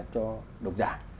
cho độc giả